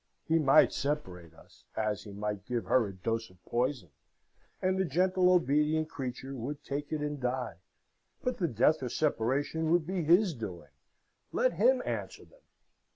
He might separate us; as he might give her a dose of poison, and the gentle, obedient creature would take it and die; but the death or separation would be his doing: let him answer them.